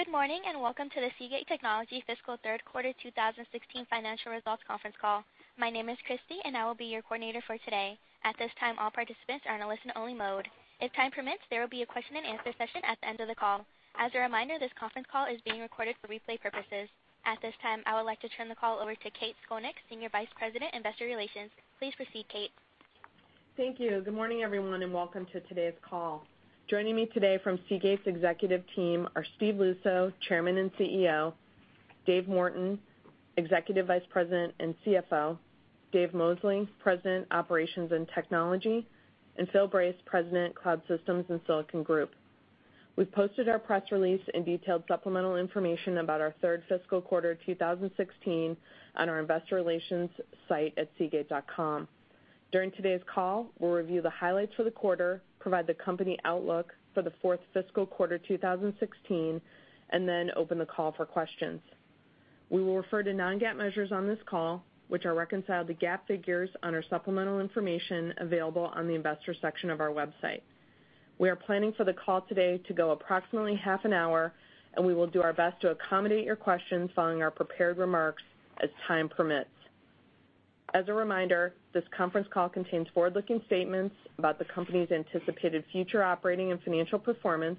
Good morning, welcome to the Seagate Technology fiscal third quarter 2016 financial results conference call. My name is Christy, and I will be your coordinator for today. At this time, all participants are in a listen only mode. If time permits, there will be a question and answer session at the end of the call. As a reminder, this conference call is being recorded for replay purposes. At this time, I would like to turn the call over to Kathryn Scolnick, Senior Vice President, Investor Relations. Please proceed, Kate. Thank you. Good morning, everyone, welcome to today's call. Joining me today from Seagate's executive team are Steve Luczo, Chairman and CEO, David Morton, Executive Vice President and CFO, Dave Mosley, President, Operations and Technology, and Phil Brace, President, Cloud Systems and Silicon Group. We've posted our press release and detailed supplemental information about our third fiscal quarter 2016 on our investor relations site at seagate.com. During today's call, we'll review the highlights for the quarter, provide the company outlook for the fourth fiscal quarter 2016, open the call for questions. We will refer to non-GAAP measures on this call, which are reconciled to GAAP figures on our supplemental information available on the investor section of our website. We are planning for the call today to go approximately half an hour, we will do our best to accommodate your questions following our prepared remarks as time permits. As a reminder, this conference call contains forward-looking statements about the company's anticipated future operating and financial performance,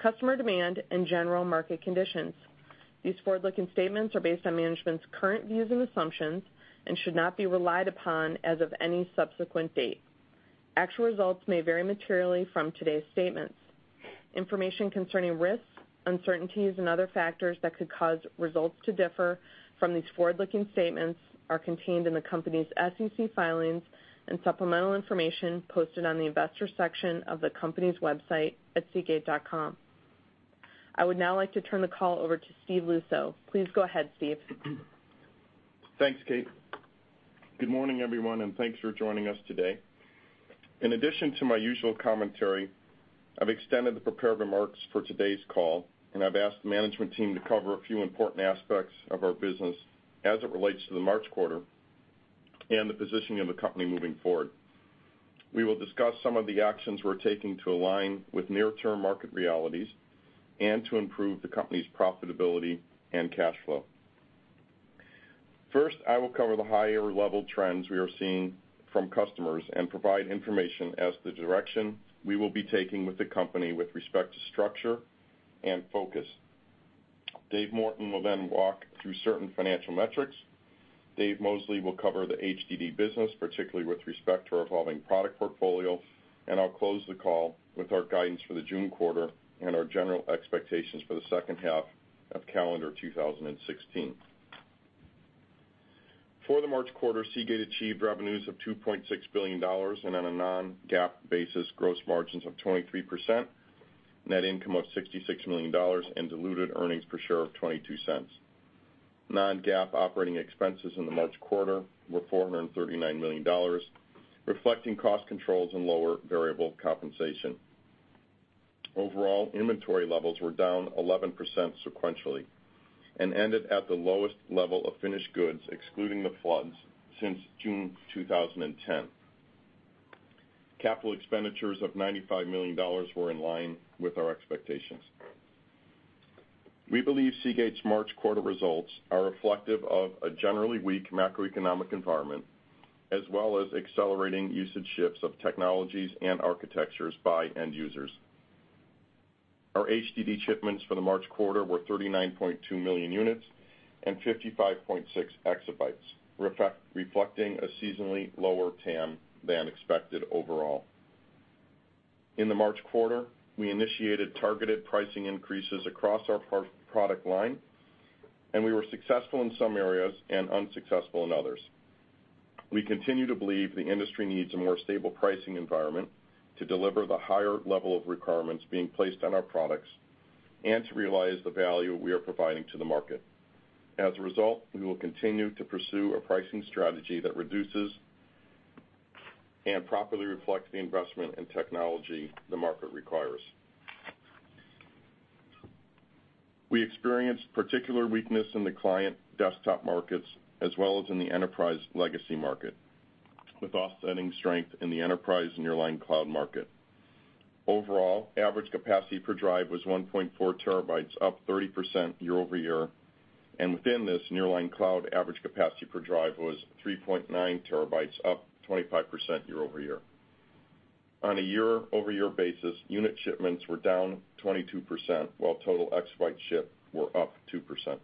customer demand, and general market conditions. These forward-looking statements are based on management's current views and assumptions and should not be relied upon as of any subsequent date. Actual results may vary materially from today's statements. Information concerning risks, uncertainties, and other factors that could cause results to differ from these forward-looking statements are contained in the company's SEC filings and supplemental information posted on the investors section of the company's website at seagate.com. I would now like to turn the call over to Steve Luczo. Please go ahead, Steve. Thanks, Kate. Good morning, everyone, thanks for joining us today. In addition to my usual commentary, I've extended the prepared remarks for today's call, I've asked the management team to cover a few important aspects of our business as it relates to the March quarter and the positioning of the company moving forward. We will discuss some of the actions we're taking to align with near-term market realities and to improve the company's profitability and cash flow. First, I will cover the higher-level trends we are seeing from customers and provide information as the direction we will be taking with the company with respect to structure and focus. David Morton will walk through certain financial metrics. Dave Mosley will cover the HDD business, particularly with respect to our evolving product portfolio, and I'll close the call with our guidance for the June quarter and our general expectations for the second half of calendar 2016. For the March quarter, Seagate achieved revenues of $2.6 billion and on a non-GAAP basis, gross margins of 23%, net income of $66 million, and diluted earnings per share of $0.22. Non-GAAP operating expenses in the March quarter were $439 million, reflecting cost controls and lower variable compensation. Overall, inventory levels were down 11% sequentially and ended at the lowest level of finished goods, excluding the floods, since June 2010. Capital expenditures of $95 million were in line with our expectations. We believe Seagate's March quarter results are reflective of a generally weak macroeconomic environment as well as accelerating usage shifts of technologies and architectures by end users. Our HDD shipments for the March quarter were 39.2 million units and 55.6 exabytes, reflecting a seasonally lower TAM than expected overall. In the March quarter, we initiated targeted pricing increases across our product line. We were successful in some areas and unsuccessful in others. We continue to believe the industry needs a more stable pricing environment to deliver the higher level of requirements being placed on our products and to realize the value we are providing to the market. As a result, we will continue to pursue a pricing strategy that reduces and properly reflects the investment in technology the market requires. We experienced particular weakness in the client desktop markets as well as in the enterprise legacy market, with offsetting strength in the enterprise nearline cloud market. Overall, average capacity per drive was 1.4 terabytes, up 30% year-over-year, and within this nearline cloud average capacity per drive was 3.9 terabytes, up 25% year-over-year. On a year-over-year basis, unit shipments were down 22%, while total exabytes shipped were up 2%.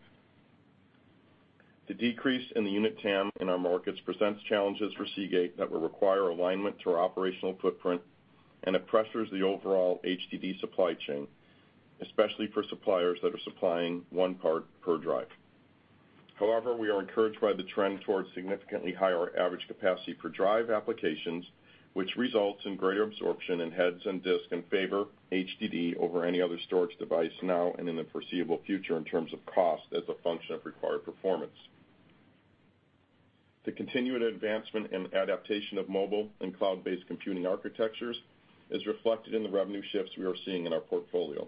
The decrease in the unit TAM in our markets presents challenges for Seagate that will require alignment to our operational footprint. It pressures the overall HDD supply chain, especially for suppliers that are supplying one part per drive. However, we are encouraged by the trend towards significantly higher average capacity per drive applications, which results in greater absorption in heads and disk and favor HDD over any other storage device now and in the foreseeable future in terms of cost as a function of required performance. The continued advancement and adaptation of mobile and cloud-based computing architectures is reflected in the revenue shifts we are seeing in our portfolio.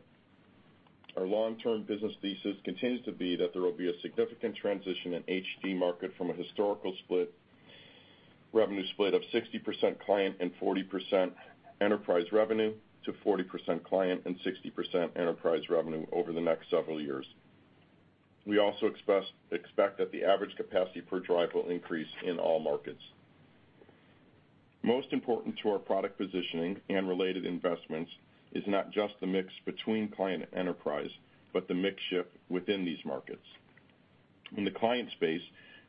Our long-term business thesis continues to be that there will be a significant transition in HDD market from a historical Revenue split of 60% client and 40% enterprise revenue to 40% client and 60% enterprise revenue over the next several years. We also expect that the average capacity per drive will increase in all markets. Most important to our product positioning and related investments is not just the mix between client enterprise, but the mix shift within these markets. In the client space,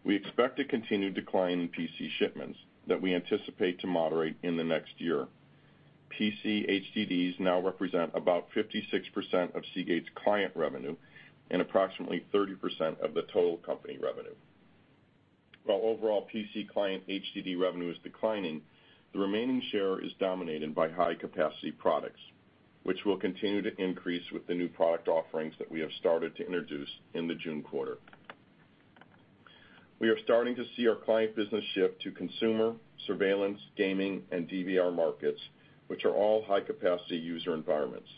we expect a continued decline in PC shipments that we anticipate to moderate in the next year. PC HDDs now represent about 56% of Seagate's client revenue and approximately 30% of the total company revenue. While overall PC client HDD revenue is declining, the remaining share is dominated by high-capacity products, which will continue to increase with the new product offerings that we have started to introduce in the June quarter. We are starting to see our client business shift to consumer, surveillance, gaming, and DVR markets, which are all high-capacity user environments.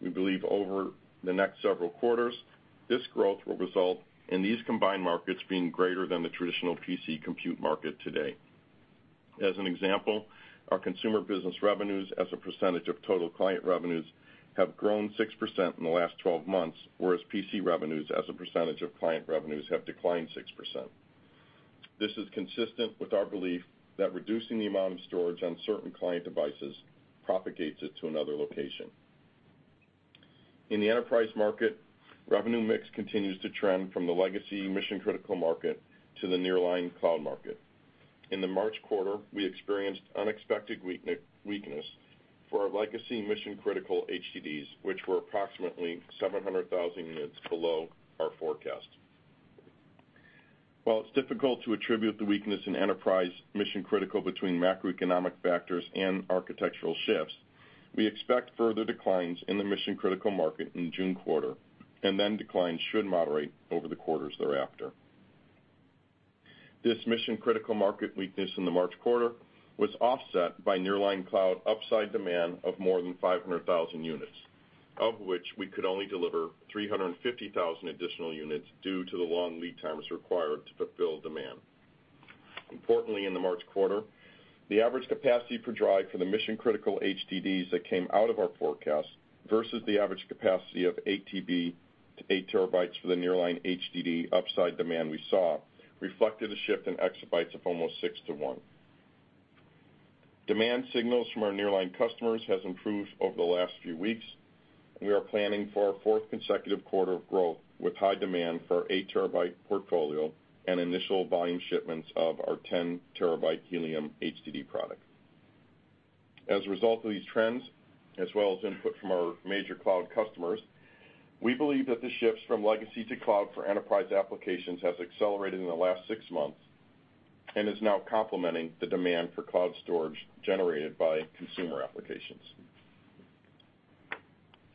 We believe over the next several quarters, this growth will result in these combined markets being greater than the traditional PC compute market today. As an example, our consumer business revenues as a percentage of total client revenues have grown 6% in the last 12 months, whereas PC revenues as a percentage of client revenues have declined 6%. This is consistent with our belief that reducing the amount of storage on certain client devices propagates it to another location. In the enterprise market, revenue mix continues to trend from the legacy mission-critical market to the nearline cloud market. In the March quarter, we experienced unexpected weakness for our legacy mission-critical HDDs, which were approximately 700,000 units below our forecast. While it's difficult to attribute the weakness in enterprise mission-critical between macroeconomic factors and architectural shifts, we expect further declines in the mission-critical market in June quarter, and then declines should moderate over the quarters thereafter. This mission-critical market weakness in the March quarter was offset by nearline cloud upside demand of more than 500,000 units, of which we could only deliver 350,000 additional units due to the long lead times required to fulfill demand. Importantly, in the March quarter, the average capacity per drive for the mission-critical HDDs that came out of our forecast versus the average capacity of eight terabytes for the nearline HDD upside demand we saw reflected a shift in exabytes of almost six to one. Demand signals from our nearline customers has improved over the last few weeks, and we are planning for our fourth consecutive quarter of growth with high demand for our eight-terabyte portfolio and initial volume shipments of our 10-terabyte Helium HDD product. As a result of these trends, as well as input from our major cloud customers, we believe that the shifts from legacy to cloud for enterprise applications has accelerated in the last six months and is now complementing the demand for cloud storage generated by consumer applications.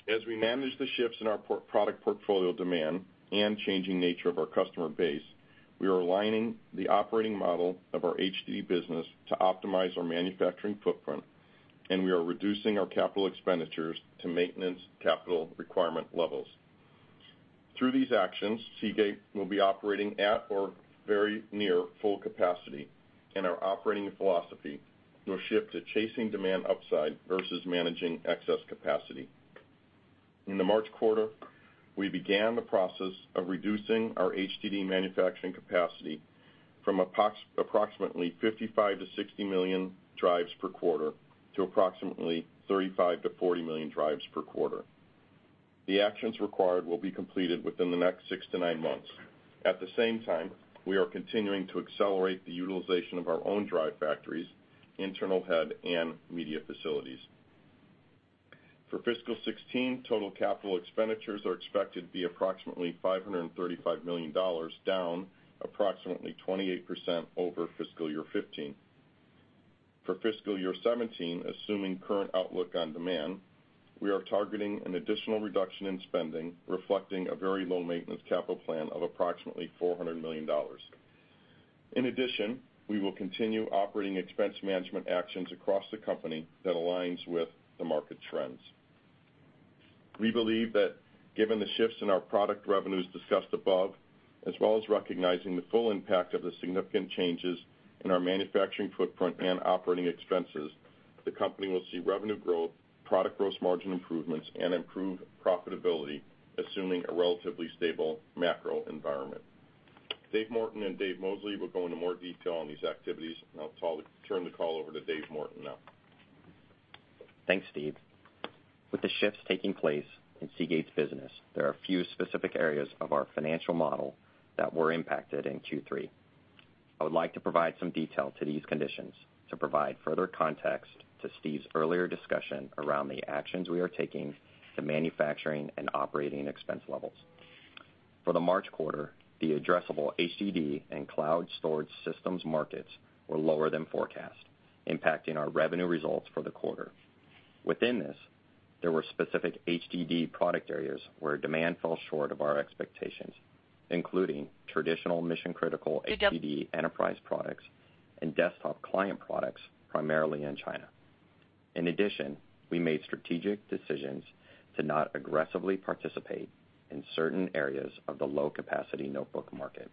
As we manage the shifts in our product portfolio demand and changing nature of our customer base, we are aligning the operating model of our HDD business to optimize our manufacturing footprint, and we are reducing our CapEx to maintenance capital requirement levels. Through these actions, Seagate will be operating at or very near full capacity, and our operating philosophy will shift to chasing demand upside versus managing excess capacity. In the March quarter, we began the process of reducing our HDD manufacturing capacity from approximately 55-60 million drives per quarter to approximately 35-40 million drives per quarter. The actions required will be completed within the next six to nine months. At the same time, we are continuing to accelerate the utilization of our own drive factories, internal head, and media facilities. For FY 2016, total capital expenditures are expected to be approximately $535 million, down approximately 28% over FY 2015. For FY 2017, assuming current outlook on demand, we are targeting an additional reduction in spending, reflecting a very low maintenance capital plan of approximately $400 million. In addition, we will continue operating expense management actions across the company that aligns with the market trends. We believe that given the shifts in our product revenues discussed above, as well as recognizing the full impact of the significant changes in our manufacturing footprint and operating expenses, the company will see revenue growth, product gross margin improvements, and improved profitability, assuming a relatively stable macro environment. David Morton and Dave Mosley will go into more detail on these activities, and I'll turn the call over to David Morton now. Thanks, Steve. With the shifts taking place in Seagate's business, there are a few specific areas of our financial model that were impacted in Q3. I would like to provide some detail to these conditions to provide further context to Steve's earlier discussion around the actions we are taking to manufacturing and operating expense levels. For the March quarter, the addressable HDD and cloud storage systems markets were lower than forecast, impacting our revenue results for the quarter. Within this, there were specific HDD product areas where demand fell short of our expectations, including traditional mission-critical HDD enterprise products and desktop client products, primarily in China. In addition, we made strategic decisions to not aggressively participate in certain areas of the low-capacity notebook market.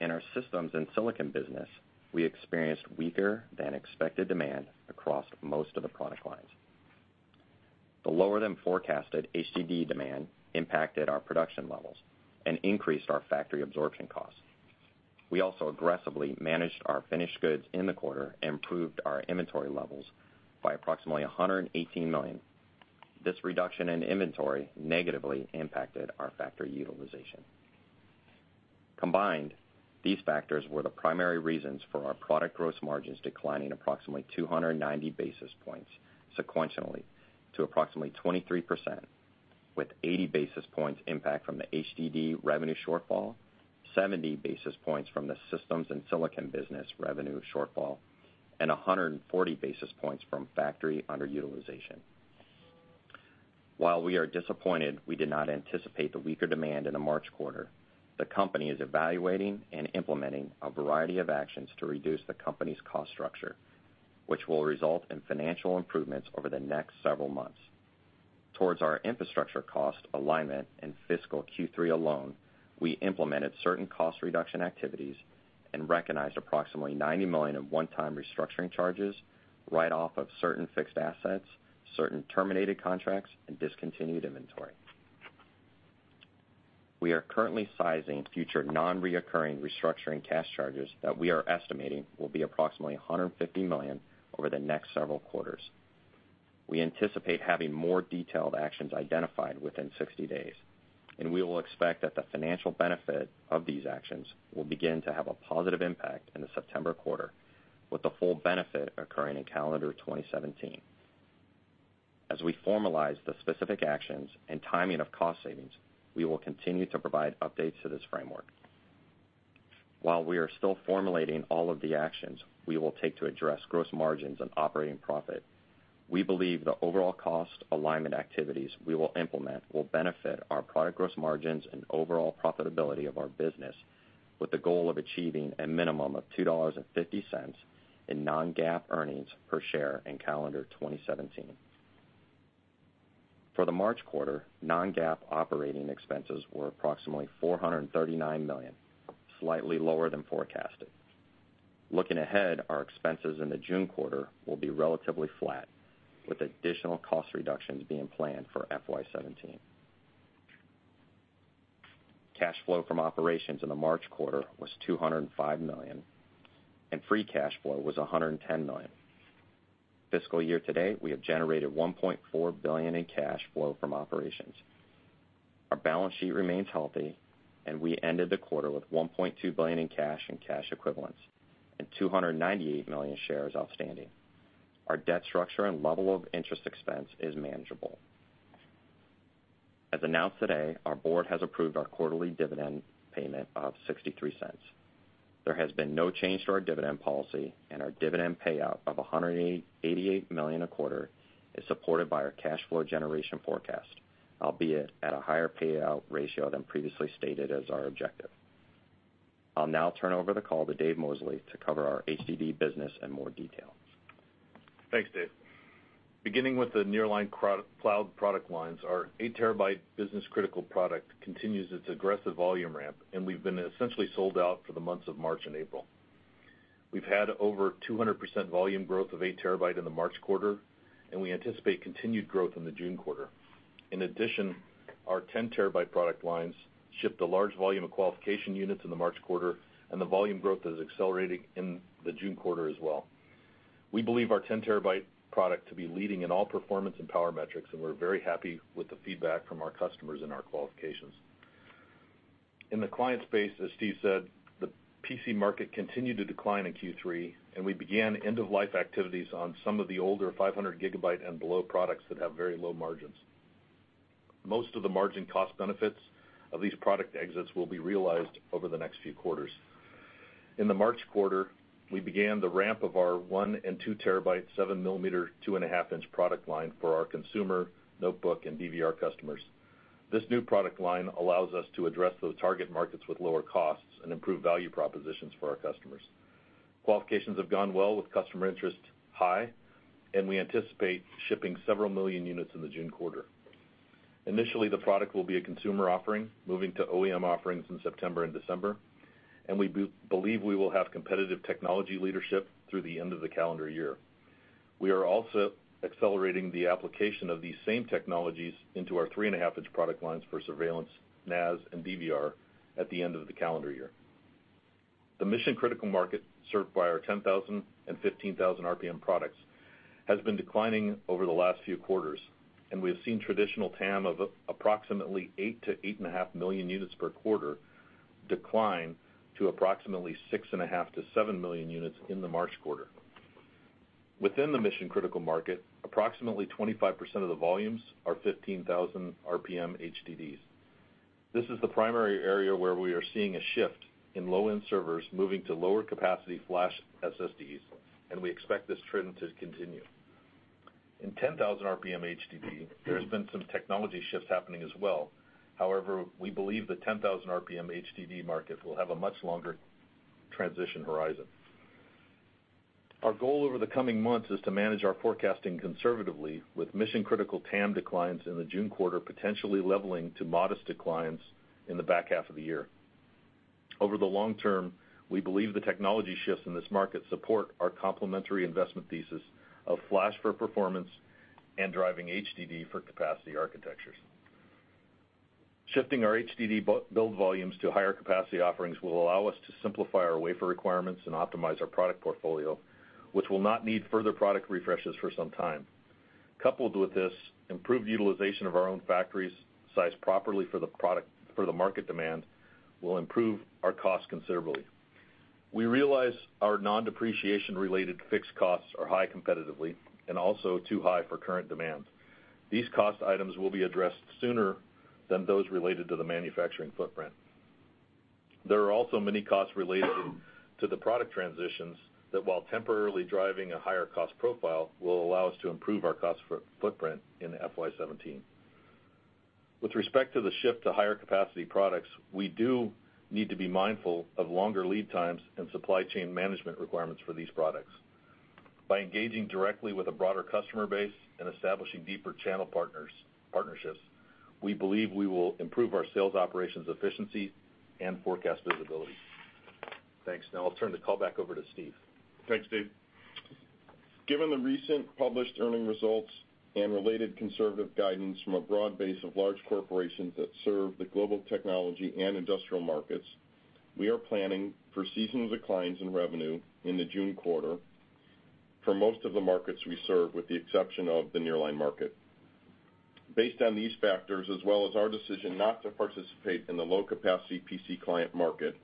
In our systems and silicon business, we experienced weaker than expected demand across most of the product lines. The lower than forecasted HDD demand impacted our production levels and increased our factory absorption costs. We also aggressively managed our finished goods in the quarter and improved our inventory levels by approximately $118 million. This reduction in inventory negatively impacted our factory utilization. Combined, these factors were the primary reasons for our product gross margins declining approximately 290 basis points sequentially to approximately 23%, with 80 basis points impact from the HDD revenue shortfall, 70 basis points from the systems and silicon business revenue shortfall, and 140 basis points from factory underutilization. While we are disappointed we did not anticipate the weaker demand in the March quarter, the company is evaluating and implementing a variety of actions to reduce the company's cost structure, which will result in financial improvements over the next several months. Towards our infrastructure cost alignment in fiscal Q3 alone, we implemented certain cost reduction activities and recognized approximately $90 million of one-time restructuring charges, write-off of certain fixed assets, certain terminated contracts, and discontinued inventory. We are currently sizing future non-reoccurring restructuring cash charges that we are estimating will be approximately $150 million over the next several quarters. We anticipate having more detailed actions identified within 60 days, and we will expect that the financial benefit of these actions will begin to have a positive impact in the September quarter, with the full benefit occurring in calendar 2017. As we formalize the specific actions and timing of cost savings, we will continue to provide updates to this framework. While we are still formulating all of the actions we will take to address gross margins and operating profit, we believe the overall cost alignment activities we will implement will benefit our product gross margins and overall profitability of our business with the goal of achieving a minimum of $2.50 in non-GAAP earnings per share in calendar 2017. For the March quarter, non-GAAP operating expenses were approximately $439 million, slightly lower than forecasted. Looking ahead, our expenses in the June quarter will be relatively flat, with additional cost reductions being planned for FY 2017. Cash flow from operations in the March quarter was $205 million, and free cash flow was $110 million. Fiscal year to date, we have generated $1.4 billion in cash flow from operations. Our balance sheet remains healthy, and we ended the quarter with $1.2 billion in cash and cash equivalents, and 298 million shares outstanding. Our debt structure and level of interest expense is manageable. As announced today, our board has approved our quarterly dividend payment of $0.63. There has been no change to our dividend policy, and our dividend payout of $188 million a quarter is supported by our cash flow generation forecast, albeit at a higher payout ratio than previously stated as our objective. I'll now turn over the call to Dave Mosley to cover our HDD business in more detail. Thanks, Dave. Beginning with the nearline cloud product lines, our 8-terabyte business critical product continues its aggressive volume ramp, and we've been essentially sold out for the months of March and April. We've had over 200% volume growth of 8 terabyte in the March quarter, and we anticipate continued growth in the June quarter. In addition, our 10-terabyte product lines shipped a large volume of qualification units in the March quarter, and the volume growth is accelerating in the June quarter as well. We believe our 10-terabyte product to be leading in all performance and power metrics, and we're very happy with the feedback from our customers and our qualifications. In the client space, as Steve said, the PC market continued to decline in Q3, and we began end-of-life activities on some of the older 500-gigabyte and below products that have very low margins. Most of the margin cost benefits of these product exits will be realized over the next few quarters. In the March quarter, we began the ramp of our 1 and 2 terabyte, 7-millimeter, 2.5-inch product line for our consumer notebook and DVR customers. This new product line allows us to address those target markets with lower costs and improve value propositions for our customers. Qualifications have gone well with customer interest high, and we anticipate shipping several million units in the June quarter. Initially, the product will be a consumer offering, moving to OEM offerings in September and December, and we believe we will have competitive technology leadership through the end of the calendar year. We are also accelerating the application of these same technologies into our 3.5-inch product lines for surveillance, NAS, and DVR at the end of the calendar year. The mission-critical market, served by our 10,000 and 15,000 RPM products, has been declining over the last few quarters. We have seen traditional TAM of approximately 8 million to 8.5 million units per quarter decline to approximately 6.5 million to 7 million units in the March quarter. Within the mission-critical market, approximately 25% of the volumes are 15,000 RPM HDDs. This is the primary area where we are seeing a shift in low-end servers moving to lower capacity flash SSDs. We expect this trend to continue. In 10,000 RPM HDD, there has been some technology shifts happening as well. However, we believe the 10,000 RPM HDD market will have a much longer transition horizon. Our goal over the coming months is to manage our forecasting conservatively with mission-critical TAM declines in the June quarter, potentially leveling to modest declines in the back half of the year. Over the long term, we believe the technology shifts in this market support our complementary investment thesis of flash for performance and driving HDD for capacity architectures. Shifting our HDD build volumes to higher capacity offerings will allow us to simplify our wafer requirements and optimize our product portfolio, which will not need further product refreshes for some time. Coupled with this, improved utilization of our own factories sized properly for the market demand will improve our cost considerably. We realize our non-depreciation-related fixed costs are high competitively and also too high for current demand. These cost items will be addressed sooner than those related to the manufacturing footprint. There are also many costs related to the product transitions that, while temporarily driving a higher cost profile, will allow us to improve our cost footprint in FY 2017. With respect to the shift to higher capacity products, we do need to be mindful of longer lead times and supply chain management requirements for these products. By engaging directly with a broader customer base and establishing deeper channel partnerships, we believe we will improve our sales operations efficiency and forecast visibility. Thanks. Now I'll turn the call back over to Steve. Thanks, Dave. Given the recent published earning results and related conservative guidance from a broad base of large corporations that serve the global technology and industrial markets, we are planning for seasonal declines in revenue in the June quarter for most of the markets we serve, with the exception of the nearline market. Based on these factors, as well as our decision not to participate in the low-capacity PC client market,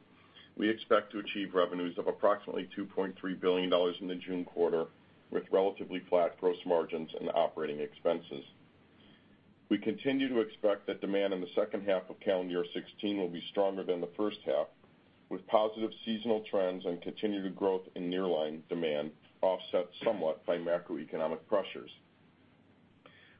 we expect to achieve revenues of approximately $2.3 billion in the June quarter, with relatively flat gross margins and operating expenses. We continue to expect that demand in the second half of calendar year 2016 will be stronger than the first half, with positive seasonal trends and continued growth in nearline demand offset somewhat by macroeconomic pressures.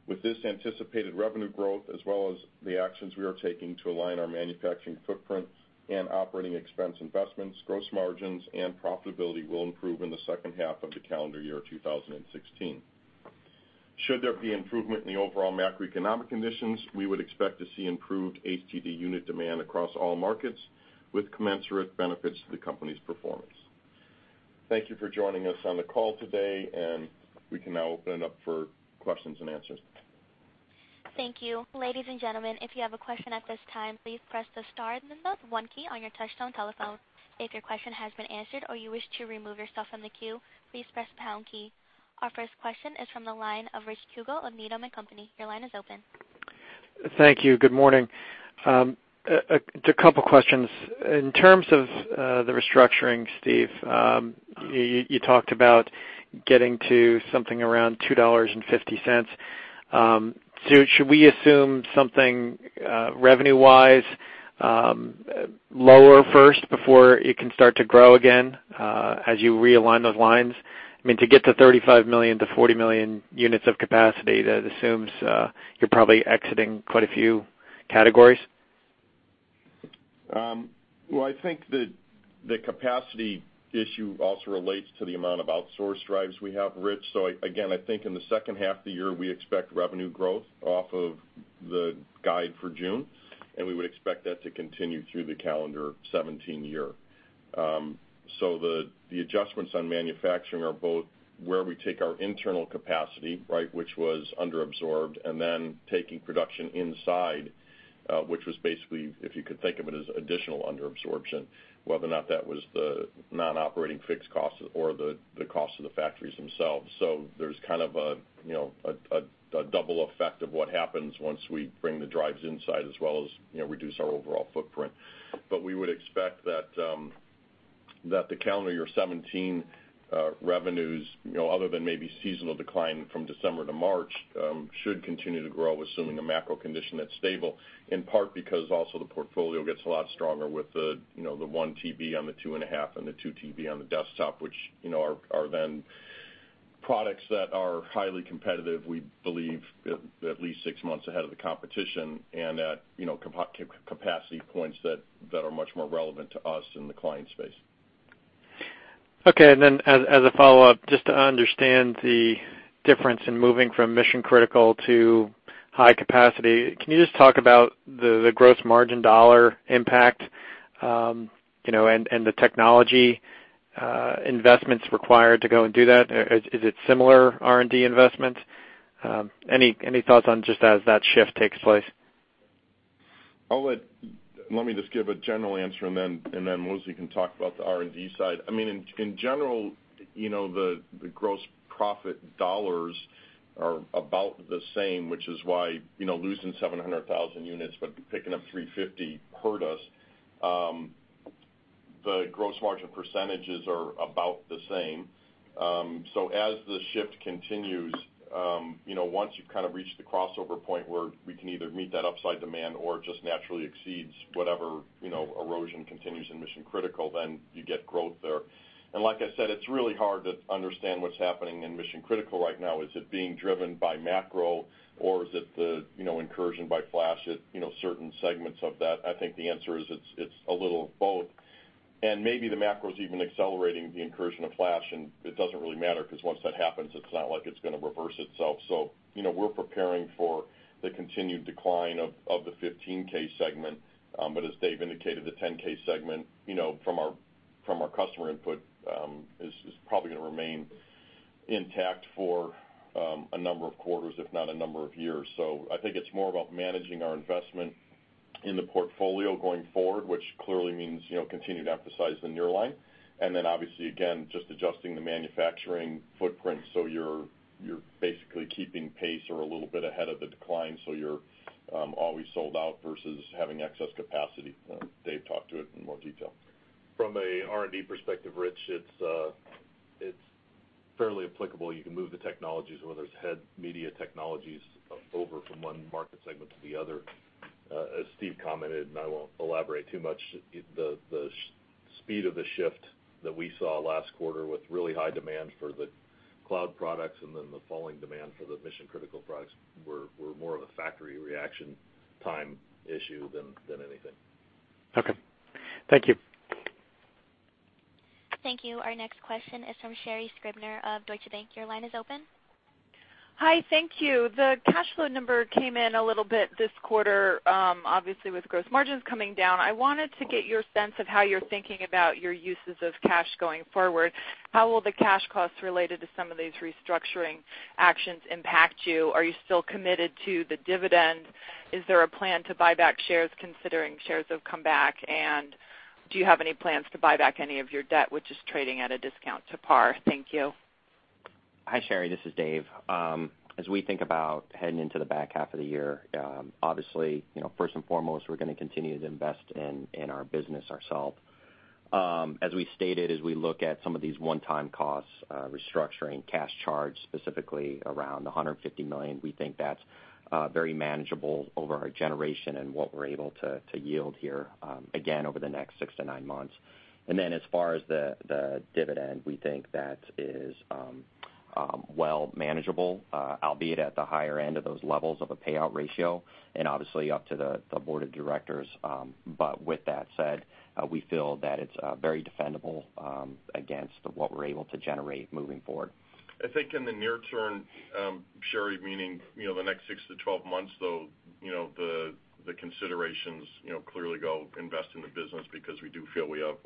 With this anticipated revenue growth, as well as the actions we are taking to align our manufacturing footprint and OpEx investments, gross margins and profitability will improve in the second half of the calendar year 2016. Should there be improvement in the overall macroeconomic conditions, we would expect to see improved HDD unit demand across all markets, with commensurate benefits to the company's performance. Thank you for joining us on the call today, and we can now open it up for questions and answers. Thank you. Ladies and gentlemen, if you have a question at this time, please press the star then the one key on your touchtone telephone. If your question has been answered or you wish to remove yourself from the queue, please press pound key. Our first question is from the line of Richard Kugele of Needham & Company. Your line is open. Thank you. Good morning. Just a couple of questions. In terms of the restructuring, Steve, you talked about getting to something around $2.50. Should we assume something revenue-wise lower first before it can start to grow again as you realign those lines? To get to 35 million-40 million units of capacity, that assumes you're probably exiting quite a few categories. I think the capacity issue also relates to the amount of outsourced drives we have, Rich. Again, I think in the second half of the year, we expect revenue growth off of the guide for June, and we would expect that to continue through the calendar 2017 year. The adjustments on manufacturing are both where we take our internal capacity, which was under-absorbed, and then taking production inside, which was basically, if you could think of it, as additional under-absorption, whether or not that was the non-operating fixed costs or the cost of the factories themselves. There's a double effect of what happens once we bring the drives inside as well as reduce our overall footprint. We would expect that the calendar year 2017 revenues, other than maybe seasonal decline from December to March, should continue to grow, assuming a macro condition that's stable, in part because also the portfolio gets a lot stronger with the 1 TB on the 2.5 and the 2 TB on the desktop, which are products that are highly competitive, we believe at least 6 months ahead of the competition, and at capacity points that are much more relevant to us in the client space. As a follow-up, just to understand the difference in moving from mission-critical to high capacity, can you just talk about the gross margin dollar impact and the technology investments required to go and do that? Is it similar R&D investments? Any thoughts on just as that shift takes place? Let me just give a general answer, then Mosley can talk about the R&D side. In general, the gross profit dollars are about the same, which is why losing 700,000 units but picking up 350 hurt us. The gross margin percentages are about the same. As the shift continues, once you've reached the crossover point where we can either meet that upside demand or it just naturally exceeds whatever erosion continues in mission-critical, then you get growth there. Like I said, it's really hard to understand what's happening in mission-critical right now. Is it being driven by macro, or is it the incursion by flash at certain segments of that? I think the answer is it's a little of both. Maybe the macro is even accelerating the incursion of flash, and it doesn't really matter, because once that happens, it's not like it's going to reverse itself. We're preparing for the continued decline of the 15K segment. As Dave indicated, the 10K segment, from our customer input, is probably going to remain intact for a number of quarters, if not a number of years. I think it's more about managing our investment in the portfolio going forward, which clearly means continuing to emphasize the nearline. Obviously, again, just adjusting the manufacturing footprint so you're basically keeping pace or a little bit ahead of the decline, so you're always sold out versus having excess capacity. Dave, talk to it in more detail. From an R&D perspective, Rich, it's fairly applicable. You can move the technologies, whether it's head media technologies, over from one market segment to the other. As Steve commented, I won't elaborate too much, the speed of the shift that we saw last quarter with really high demand for the cloud products and then the falling demand for the mission-critical products were more of a factory reaction time issue than anything. Okay. Thank you. Thank you. Our next question is from Sherri Scribner of Deutsche Bank. Your line is open. Hi. Thank you. The cash flow number came in a little bit this quarter, obviously with gross margins coming down. I wanted to get your sense of how you're thinking about your uses of cash going forward. How will the cash costs related to some of these restructuring actions impact you? Are you still committed to the dividend? Is there a plan to buy back shares, considering shares have come back? Do you have any plans to buy back any of your debt, which is trading at a discount to par? Thank you. Hi, Sherri. This is Dave. As we think about heading into the back half of the year, obviously, first and foremost, we're going to continue to invest in our business ourselves. As we stated, as we look at some of these one-time costs, restructuring, cash charge, specifically around $150 million, we think that's very manageable over our generation and what we're able to yield here, again, over the next six to nine months. As far as the dividend, we think that is well manageable, albeit at the higher end of those levels of a payout ratio, and obviously up to the board of directors. With that said, we feel that it's very defendable against what we're able to generate moving forward. I think in the near term, Sherri, meaning the next 6 to 12 months, though, the considerations clearly go invest in the business because we do feel we have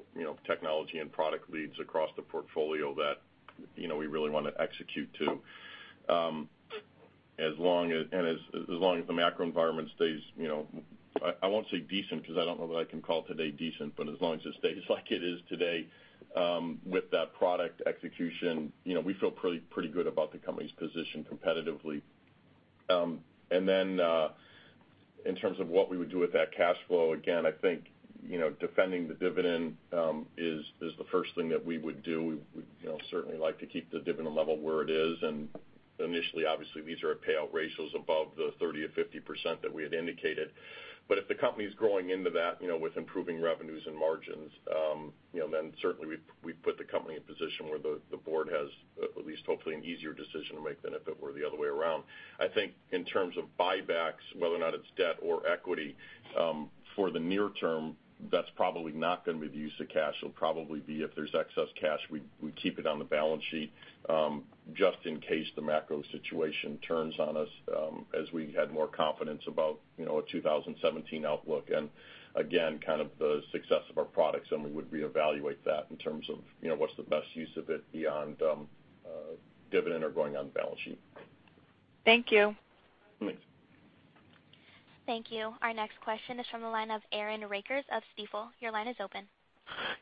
technology and product leads across the portfolio that we really want to execute to. As long as the macro environment stays, I won't say decent, because I don't know that I can call today decent, but as long as it stays like it is today with that product execution, we feel pretty good about the company's position competitively. In terms of what we would do with that cash flow, again, I think defending the dividend is the first thing that we would do. We'd certainly like to keep the dividend level where it is. Initially, obviously, these are payout ratios above the 30%-50% that we had indicated. If the company's growing into that with improving revenues and margins, then certainly we put the company in a position where the board has at least hopefully an easier decision to make than if it were the other way around. I think in terms of buybacks, whether or not it's debt or equity, for the near term, that's probably not going to be the use of cash. It'll probably be if there's excess cash, we keep it on the balance sheet, just in case the macro situation turns on us as we had more confidence about a 2017 outlook and again, kind of the success of our products, and we would reevaluate that in terms of what's the best use of it beyond dividend or going on the balance sheet. Thank you. Thank you. Our next question is from the line of Aaron Rakers of Stifel. Your line is open.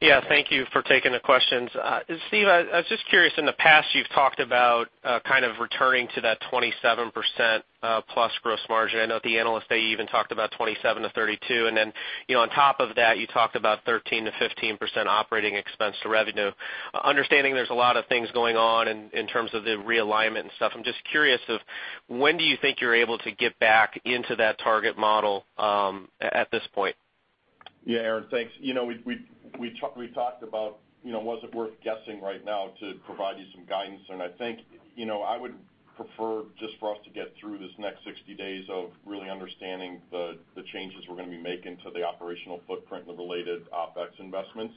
Yeah. Thank you for taking the questions. Steve, I was just curious, in the past you've talked about kind of returning to that 27% plus gross margin. I know at the analyst day, you even talked about 27%-32%. On top of that, you talked about 13%-15% OpEx to revenue. Understanding there's a lot of things going on in terms of the realignment and stuff, I'm just curious of when do you think you're able to get back into that target model at this point? Yeah, Aaron, thanks. We talked about was it worth guessing right now to provide you some guidance. I think I would prefer just for us to get through this next 60 days of really understanding the changes we're going to be making to the operational footprint and the related OpEx investments.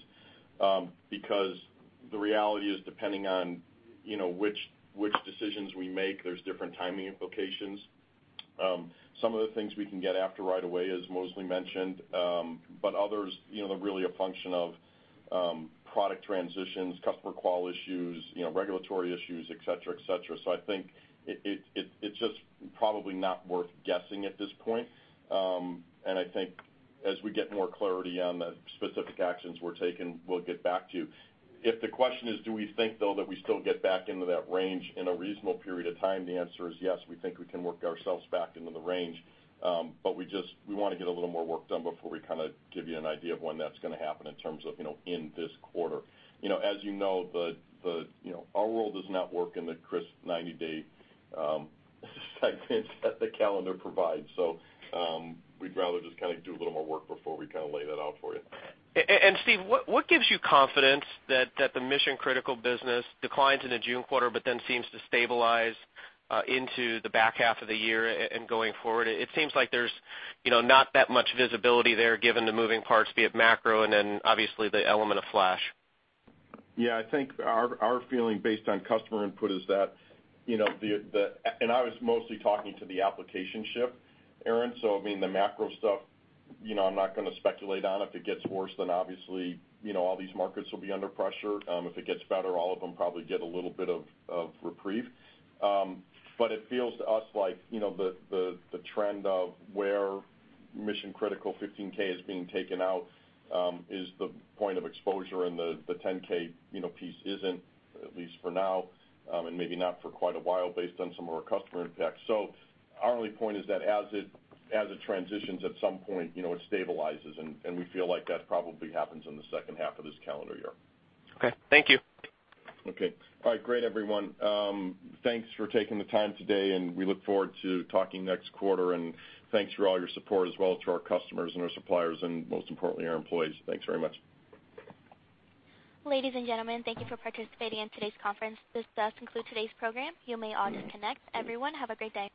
The reality is depending on which decisions we make, there's different timing implications. Some of the things we can get after right away, as Mosley mentioned, but others are really a function of product transitions, customer qual issues, regulatory issues, et cetera. I think it's just probably not worth guessing at this point. I think as we get more clarity on the specific actions we're taking, we'll get back to you. If the question is do we think, though, that we still get back into that range in a reasonable period of time, the answer is yes. We think we can work ourselves back into the range. We want to get a little more work done before we kind of give you an idea of when that's going to happen in terms of in this quarter. As you know, our world does not work in the crisp 90-day segments that the calendar provides. We'd rather just kind of do a little more work before we lay that out for you. Steve, what gives you confidence that the mission-critical business declines in the June quarter but then seems to stabilize into the back half of the year and going forward? It seems like there's not that much visibility there given the moving parts, be it macro and then obviously the element of flash. I think our feeling based on customer input is that, I was mostly talking to the application shift, Aaron. I mean, the macro stuff I'm not going to speculate on. If it gets worse, obviously all these markets will be under pressure. If it gets better, all of them probably get a little bit of reprieve. It feels to us like the trend of where mission-critical 15K is being taken out is the point of exposure, and the 10K piece isn't, at least for now, and maybe not for quite a while based on some of our customer impacts. Our only point is that as it transitions at some point, it stabilizes, and we feel like that probably happens in the second half of this calendar year. Okay. Thank you. Okay. All right. Great, everyone. Thanks for taking the time today, we look forward to talking next quarter. Thanks for all your support as well to our customers and our suppliers and most importantly, our employees. Thanks very much. Ladies and gentlemen, thank you for participating in today's conference. This does conclude today's program. You may all disconnect. Everyone, have a great day.